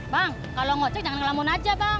bang kalau ngocek jangan kelamun aja bang